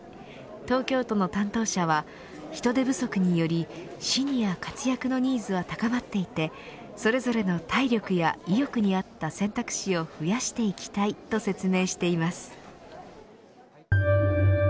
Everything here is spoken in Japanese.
東京都の担当者は人手不足により、シニア活躍のニーズは高まっていてそれぞれの体力や意欲に合った選択肢を増やしていきたいとしています。